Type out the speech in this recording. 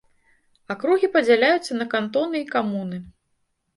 Акругі падзяляюцца на кантоны і камуны.